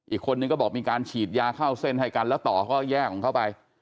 อีกคนนึงก็บอกมีการฉีดยาเข้าเส้นให้กันแล้วต่อก็แยกของเขาไป